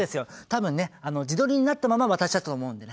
多分ね自撮りになったまま渡しちゃったと思うんでね。